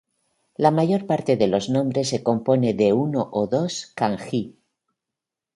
La mayor parte de los nombres se compone de uno o dos "kanji".